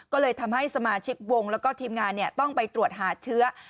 ก็เลยทำให้สมาชิกวงแล้วก็ทีมงานต้องไปตรวจหาเชื้อ